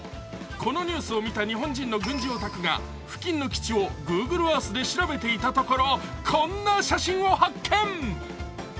このニュースを見た日本の軍事オタクが付近の基地をグーグルアースで調べてみたところ、こんな写真を発見。